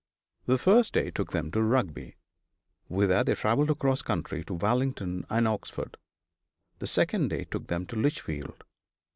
The first day took them to Rugby, whither they travelled across country by Wallingford and Oxford. The second day took them to Lichfield.